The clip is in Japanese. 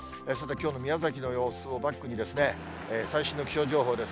さて、きょうの宮崎の状況をバックに、最新の気象情報です。